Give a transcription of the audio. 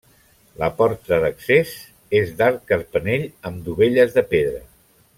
La porta d'accés és d'arc carpanell, amb dovelles de pedra.